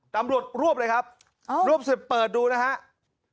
ตำรวจรวบเลยครับรวบเสร็จเปิดดูนะครับ